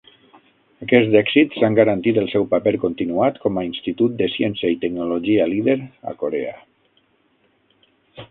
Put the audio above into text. Aquests èxits han garantit el seu paper continuat com a Institut de ciència i tecnologia líder a Corea.